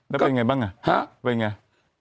แล้วเป็นไงบ้างไปไง